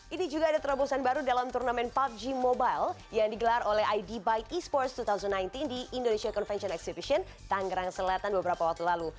ini juga ada terobosan baru dalam turnamen pubg mobile yang digelar oleh id bike esports dua ribu sembilan belas di indonesia convention exhibition tanggerang selatan beberapa waktu lalu